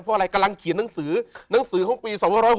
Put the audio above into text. เพราะอะไรกำลังเขียนหนังสือหนังสือของปี๒๖๖